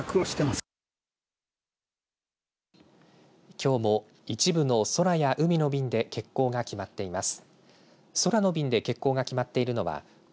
きょうも一部の空や海の便で欠航が決まっています。